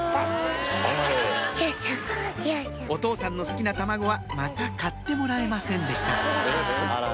お父さんの好きな卵はまた買ってもらえませんでした